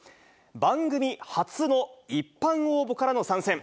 番組初の一般応募からの参戦。